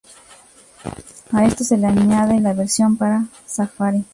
A esto se añade la versión para Safari.